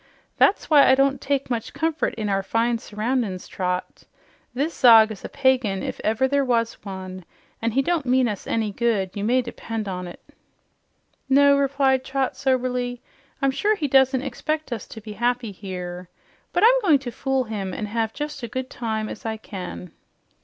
That's why I don't take much comfort in our fine surroundin's, Trot. This Zog is a pagan, if ever there was one, an' he don't mean us any good, you may depend on 't." "No," replied Trot soberly, "I'm sure he does not expect us to be happy here. But I'm going to fool him and have just as good a time as I can."